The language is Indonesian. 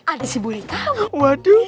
ada si buri kamu